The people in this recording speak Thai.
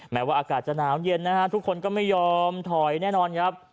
ว่าอากาศจะหนาวเย็นนะฮะทุกคนก็ไม่ยอมถอยแน่นอนครับ